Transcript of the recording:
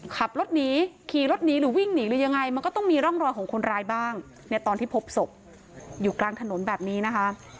ขับรถหนีขี่รถหนีหรือวิ่งหนีหรือยังไงมันก็ต้องมีร่องรอยของคนร้ายบ้างเนี่ยตอนที่พบศพอยู่กลางถนนแบบนี้นะคะ